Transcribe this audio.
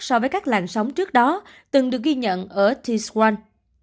so với các làn sóng trước đó từng được ghi nhận ở t swan